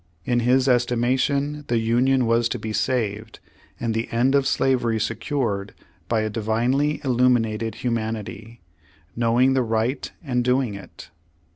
In his estim.ation the Union was to be saved, and the end of slavery secured by a Divinely illuminated humanity, knowing the right and doing it.